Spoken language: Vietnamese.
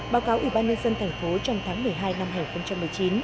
báo cáo ubnd tp trong tháng một mươi hai năm hai nghìn một mươi chín